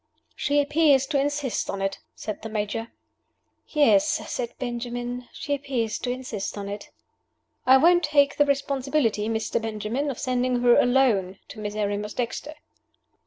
"She appears to insist on it," said the Major. "Yes," said Benjamin. "She appears to insist on it." "I won't take the responsibility, Mr. Benjamin, of sending her alone to Miserrimus Dexter."